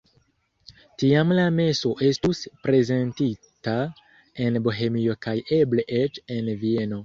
Tiam la meso estus prezentita en Bohemio kaj eble eĉ en Vieno.